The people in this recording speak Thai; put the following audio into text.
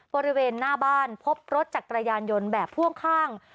บริเวณหน้าบ้านพบรถจักรยานยนต์แบบพ่วงข้าง